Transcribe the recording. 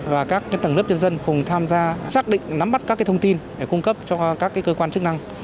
và các tầng lớp nhân dân cùng tham gia xác định nắm bắt các thông tin để cung cấp cho các cơ quan chức năng